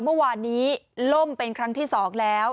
เมื่อวานนี้ล่มเป็นครั้งที่๒แล้ว